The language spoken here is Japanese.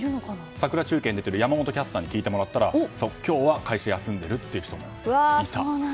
桜中継に出ている山本キャスターに聞いてもらったら今日は会社を休んでいるという人もいたと。